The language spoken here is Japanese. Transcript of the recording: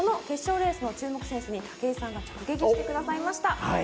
決勝レースの注目選手に武井さんが直撃してくれました。